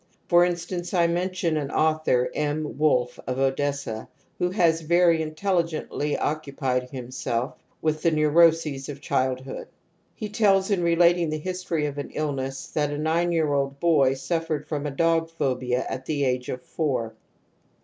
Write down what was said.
For instance I mention an author, M. Wulff of Odessa, who has INFANTILE RECURRENCE OF TOTEMISM 213 very intelligently occupied himself with the neuroses of childhood. He tells, in relating the history of an illness, that a nine year old boy suffered from a dog phobia at the age of four.